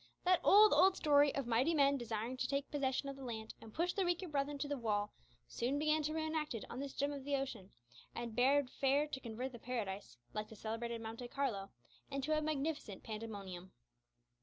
That old, old story of mighty men desiring to take possession of the land and push their weaker brethren to the wall soon began to be re enacted on this gem of the ocean, and bade fair to convert the paradise like the celebrated Monte Carlo into a magnificent pandemonium.